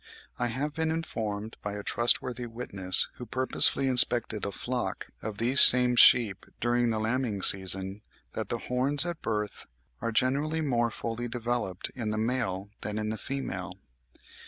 I have been informed by a trustworthy witness, who purposely inspected a flock of these same sheep during the lambing season, that the horns at birth are generally more fully developed in the male than in the female.